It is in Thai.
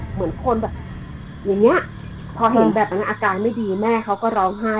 เหมือนคนแบบอย่างนี้พอเห็นแบบนั้นอาการไม่ดีแม่เขาก็ร้องไห้